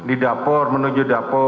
di dapur menuju